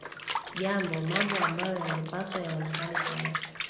jambo mambo ambayo yangepaswa yaonekane pale